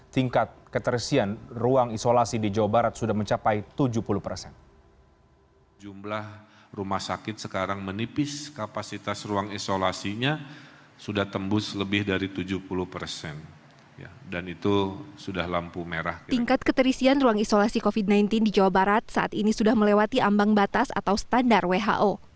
tingkat keterisian ruang isolasi covid sembilan belas di jawa barat saat ini sudah melewati ambang batas atau standar who